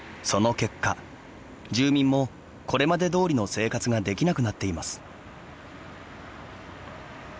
その結果、住民もこれまでどおりの生活ができなくなっています。